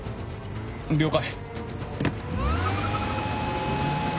了解！